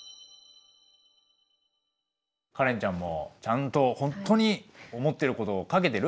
カレンちゃんもちゃんとほんとに思ってる事を書けてる？